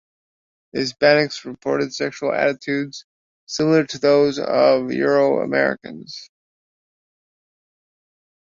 Hispanics reported sexual attitudes similar to that of Euro-Americans.